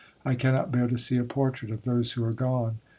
I cannot bear to see a portrait of those who are gone."